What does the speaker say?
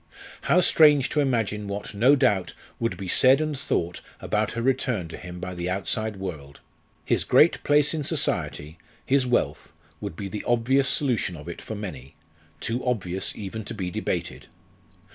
How strange to imagine what, no doubt, would be said and thought about her return to him by the outside world! His great place in society, his wealth, would be the obvious solution of it for many too obvious even to be debated.